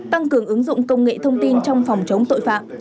tăng cường ứng dụng công nghệ thông tin trong phòng chống tội phạm